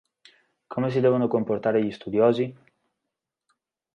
Come si devono comportare gli studiosi?